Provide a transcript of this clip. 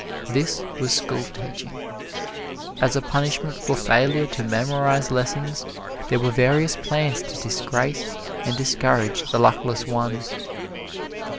This was schoolteaching. As a punishment for failure to memorize lessons, there were various plans to disgrace and discourage the luckless ones.